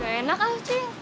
gak enak cing